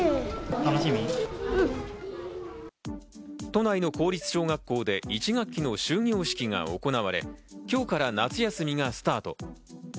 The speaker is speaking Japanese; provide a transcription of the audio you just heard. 都内の公立小学校で１学期の終業式が行われ、今日から夏休みがスタート。